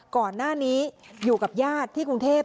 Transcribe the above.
ก่อนหน้านี้อยู่กับญาติที่กรุงเทพ